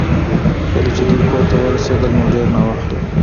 کله چې دوی کور ته ورسیدل نو ډیر ناوخته و